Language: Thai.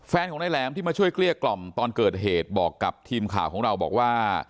แฟนของนายแหลมที่มาช่วยเกลี้ยกล่อมตอนเกิดเหตุบอกกับทีมข่าวของเราบอกว่า